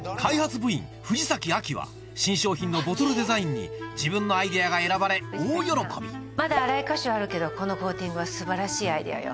は新商品のボトルデザインに自分のアイデアが選ばれ大喜びまだ粗い箇所はあるけどこのコーティングは素晴らしいアイデアよ。